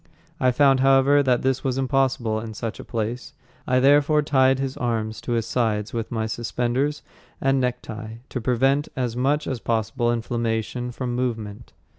I found, however, that this was impossible in such a place. I therefore tied his arms to his sides with my suspenders and necktie, to prevent as much as possible inflammation from movement.